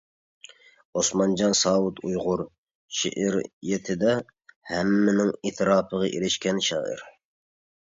ئوسمانجان ساۋۇت ئۇيغۇر شېئىرىيىتىدە ھەممىنىڭ ئېتىراپىغا ئېرىشكەن شائىر.